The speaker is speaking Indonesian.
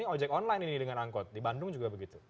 ojek online ini dengan angkot di bandung juga begitu